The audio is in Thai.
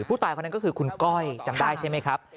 คนนั้นก็คือคุณก้อยจำได้ใช่ไหมครับ